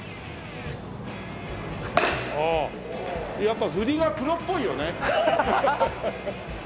ああやっぱ振りがプロっぽいよね。